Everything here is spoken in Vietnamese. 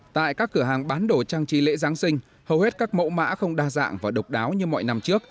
tại các cửa hàng bán đồ trang trí lễ giáng sinh hầu hết các mẫu mã không đa dạng và độc đáo như mọi năm trước